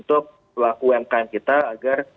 umkm kita agar